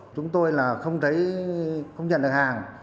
chúng tôi là không nhận được hàng